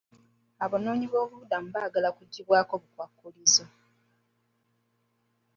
Abanoonyiboobubudamu baagala okuggibwako obukwakkulizo.